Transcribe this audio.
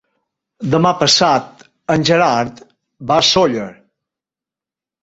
Demà passat en Gerard va a Sóller.